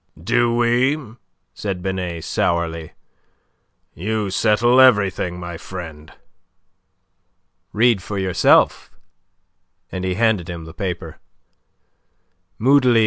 "Do we?" said Binet, sourly. "You settle everything, my friend." "Read for yourself." And he handed him the paper. Moodily M.